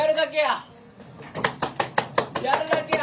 やるだけや！